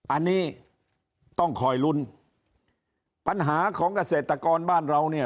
อันนี้ต้องคอยลุ้นปัญหาของเกษตรกรบ้านเราเนี่ย